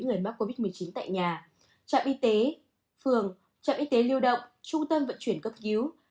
người mắc covid một mươi chín tại nhà trạm y tế phường trạm y tế lưu động trung tâm vận chuyển cấp cứu